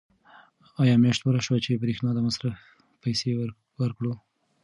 آیا میاشت پوره شوه چې د برېښنا د مصرف پیسې ورکړو؟